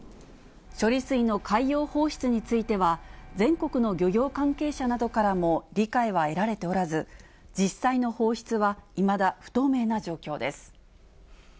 処理水の海洋放出については、全国の漁業関係者などからも理解は得られておらず、実際の放出はいまだ不透明な状況です。